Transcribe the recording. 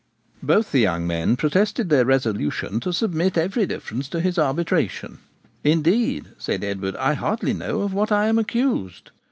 Both the young men protested their resolution to submit every difference to his arbitration. 'Indeed,' said Edward, 'I hardly know of what I am accused.